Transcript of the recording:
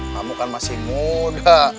kamu kan masih muda